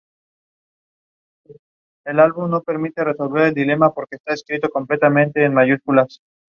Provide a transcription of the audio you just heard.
Excepto en el norte-noroeste, el borde exterior no está muy erosionado.